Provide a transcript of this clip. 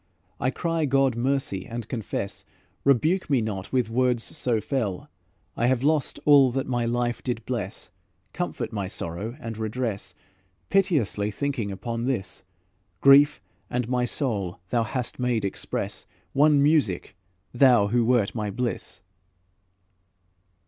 I cry God mercy, and confess. Rebuke me not with words so fell; I have lost all that my life did bless; Comfort my sorrow and redress, Piteously thinking upon this: Grief and my soul thou hast made express One music, thou who wert my bliss.